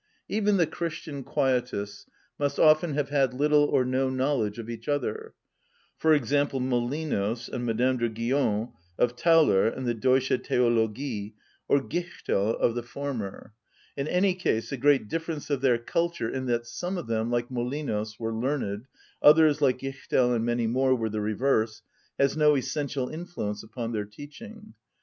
(49) Even the Christian quietists must often have had little or no knowledge of each other; for example, Molinos and Madame de Guion of Tauler and the "Deutsche Theologie," or Gichtel of the former. In any case, the great difference of their culture, in that some of them, like Molinos, were learned, others, like Gichtel and many more, were the reverse, has no essential influence upon their teaching.